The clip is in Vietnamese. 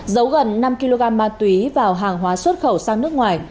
giấu gần năm kg ma túy vào hàng hóa xuất khẩu sang nước ngoài